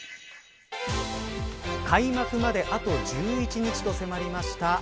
開幕まであと１１日と迫りました。